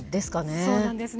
そうなんですね。